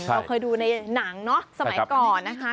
เราเคยดูในหนังเนาะสมัยก่อนนะคะ